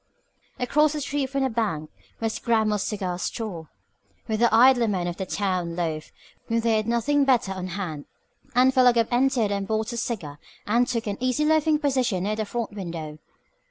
Across the street from the bank was Grammill's Cigar Store, where the idler men of the town loafed when they had nothing better on hand, and Philo Gubb entered and bought a cigar and took an easy loafing position near the front window.